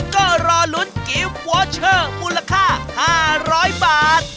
ก็รอลุ้นกิฟต์วอเชอร์มูลค่า๕๐๐บาท